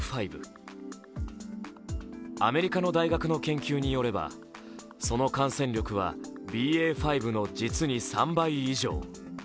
アメリカの大学の研究によればその感染力はＢＡ．５の実に３倍以上。